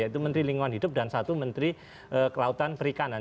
yaitu menteri lingkungan hidup dan satu menteri kelautan perikanan